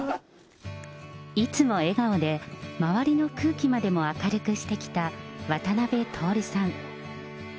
いつも笑顔で、周りの空気までも明るくしてきた渡辺徹さん。